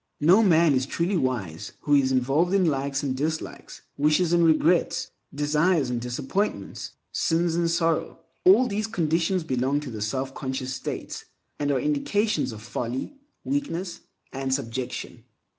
No man is truly wise who is involved in likes and dislikes, wishes and regrets, desires and disappointments, sins and sorrow. All these conditions belong to the selfconscious state, and are indications of folly, weakness, and subjection.